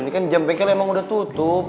ini kan jam bengkel emang udah tutup